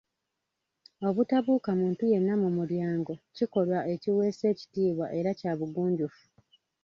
Obutabuuka muntu yenna mu mulyango kikolwa ekiweesa ekitiibwa era kya bugunjufu.